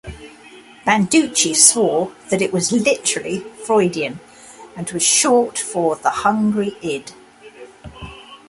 Banducci swore that it was literally Freudian and was short for "the hungry id".